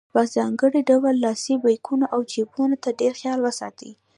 په ځانګړي ډول لاسي بیکونو او جیبونو ته ډېر خیال وساتئ.